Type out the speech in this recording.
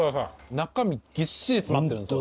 中身ぎっしり詰まってるんですよ。